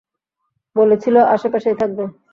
বলেছিলো আশেপাশেই থাকবে।